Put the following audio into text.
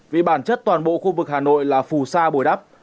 vì bản chất toàn bộ khu vực hà nội là phù sa bồi đắp